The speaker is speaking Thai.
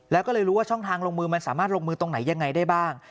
แล้วก็เลยรู้ว่าช่องทางลงมือมันสามารถลงมือตรงไหนยังไงได้บ้าง